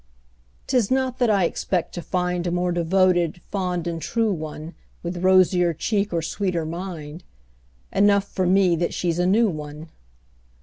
'Tis not that I expect to find A more devoted, fond and true one, With rosier cheek or sweeter mind Enough for me that she's a new one.